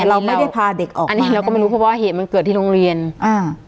แต่เราไม่ได้พาเด็กออกอันนี้เราก็ไม่รู้เพราะว่าเหตุมันเกิดที่โรงเรียนอ่า